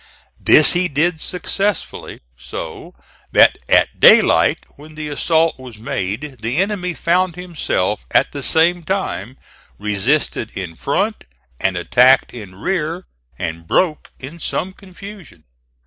This he did successfully, so that at daylight, when the assault was made, the enemy found himself at the same time resisted in front and attacked in rear, and broke in some confusion.